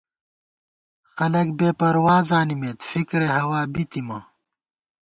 خلَک بېپروا زانِمېت، فِکِرے ہوا بِی تِمہ